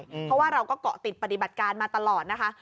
เพราะว่าเราก็เกาะติดปฏิบัติการมาตลอดนะคะ